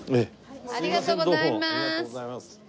ありがとうございます。